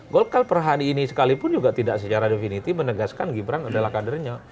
golkar per hari ini sekalipun juga tidak secara definitif menegaskan gibran adalah kadernya